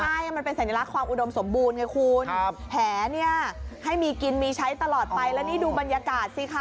ใช่มันเป็นสัญลักษณ์ความอุดมสมบูรณ์ไงคุณแหเนี่ยให้มีกินมีใช้ตลอดไปแล้วนี่ดูบรรยากาศสิคะ